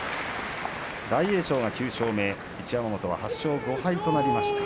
大栄翔が１０勝目一山本は８勝５敗となりました。